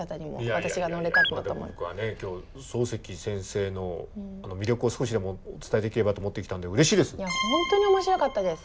今日漱石先生の魅力を少しでもお伝えできればと思って来たんでほんとに面白かったです。